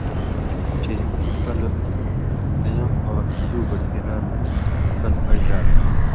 چے تُو کلہۡ ڇیؤں مہ دُو بٹھی رال، کلہ اڑیۡ رال،